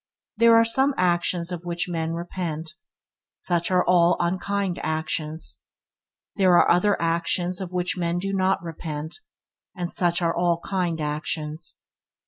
There are some actions of which men repent; such are all unkind actions. There are other actions of which men do not repent, and such are all kind actions.